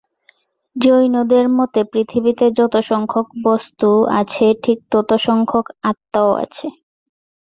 জৈনদের মতে, পৃথিবীতে যত সংখ্যক বস্ত্ত আছে, ঠিক ততো সংখ্যক আত্মাও আছে।